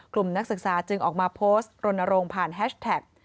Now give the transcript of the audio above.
กลุ่มนักศึกษาจึงออกมาโพสต์โรนโรงผ่านแฮชแท็ก